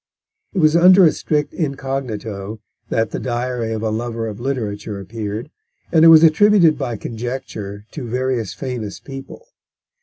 It was under a strict incognito that The Diary of a Lover of Literature appeared, and it was attributed by conjecture to various famous people.